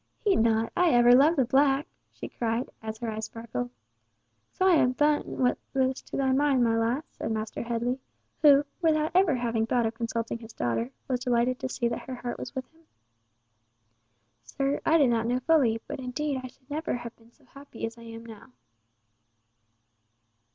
"Heed not, I ever loved the black!" she cried, as her eyes sparkled. "So I have done what was to thy mind, my lass?" said Master Headley, who, without ever having thought of consulting his daughter, was delighted to see that her heart was with him. "Sir, I did not know fully—but indeed I should never have been so happy as I am now."